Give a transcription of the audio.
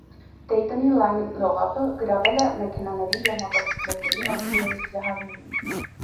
Դեյտոնի լայն լողափը գրավել է մեքենաների և մոտոցիկլետների մրցումների սիրահարներին։